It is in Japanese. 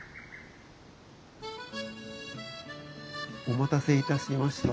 お待たせいたしました。